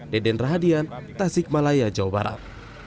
deden rahadian tasik malaya jawa barat